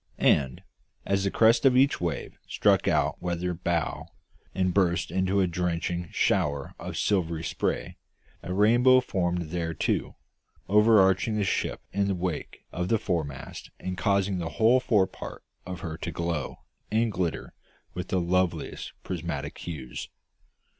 And, as the crest of each wave struck our weather bow and burst into a drenching shower of silvery spray, a rainbow formed there too, overarching the ship in the wake of the foremast and causing the whole forepart of her to glow and glitter with the loveliest prismatic hues.